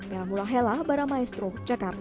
yang mulai helah para maestro jakarta